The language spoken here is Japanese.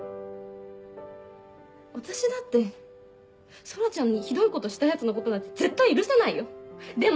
私だって空ちゃんにひどいことしたヤツのことなんて絶対許せないよでも。